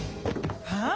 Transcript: はあ？